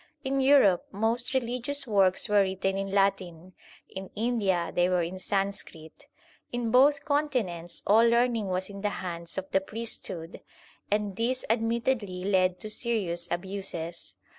In Europe most religious works were written in Latin, in India they were in Sanskrit. In both continents all learning was in the hands of the priesthood, and this admittedly led to serious abuses.